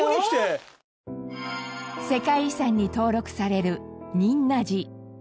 世界遺産に登録される仁和寺。